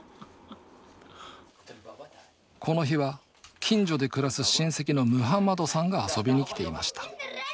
この日は近所で暮らす親戚のムハンマドさんが遊びに来ていました。